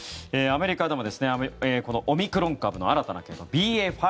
アメリカでもオミクロン株の新たな系統、ＢＡ．５